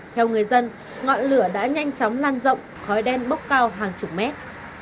theo người dân ngọn lửa đã nhanh chóng lan rộng khói đen bốc cao hàng chục mét